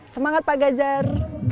semangat pak ganjar